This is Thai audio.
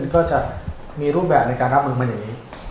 ก็จะมีรูปแบบในการรับมือมันอย่างนี้